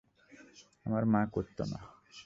আমার মা করতো না।